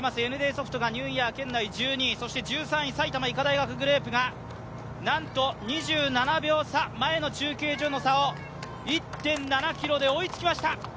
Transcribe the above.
ＮＤソフトがニューイヤー圏内、そして１３位の埼玉医科大学グループが、なんと２７秒差、前の中継所の差を１．７ｋｍで追いつきました。